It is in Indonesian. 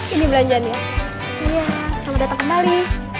ini belanjaan ya iya kamu datang kembali